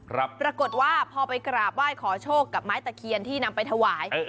ปรากฏว่าพอไปกราบไหว้ขอโชคกับไม้ตะเคียนที่นำไปถวายเออ